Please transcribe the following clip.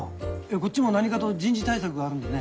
こっちも何かと人事対策があるんでね。